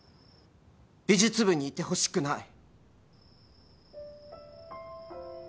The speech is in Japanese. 美術部にいてほしくない。